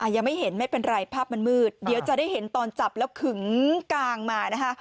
ยังไม่เห็นไม่เป็นไรภาพมันมืดเดี๋ยวจะได้เห็นตอนจับแล้วขึงกางมานะคะ